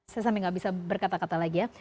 saya sampe gak bisa berkata kata lagi ya